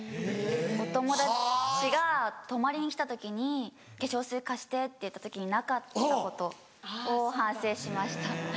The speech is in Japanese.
お友達が泊まりに来た時に「化粧水貸して」って言った時になかったことを反省しました。